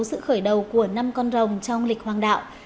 sự khởi đầu của năm con rồng trong lịch hoàng đạo